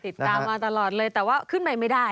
ติดตามมาตลอดเลยแต่ว่าขึ้นไปไม่ได้